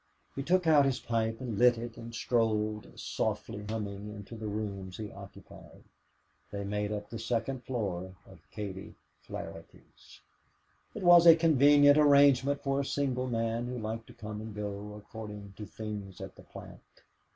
He took out his pipe and lit it and strolled, softly humming, into the rooms he occupied; they made up the second story at Katie Flaherty's. It was a convenient arrangement for a single man who liked to come and go according "to things at the plant."